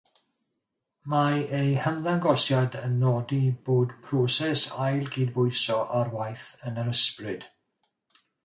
Mae eu hymddangosiad yn nodi bod proses ail-gydbwyso ar waith yn yr ysbryd.